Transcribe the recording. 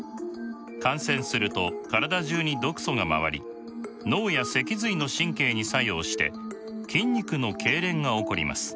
感染すると体中に毒素が回り脳や脊髄の神経に作用して筋肉のけいれんが起こります。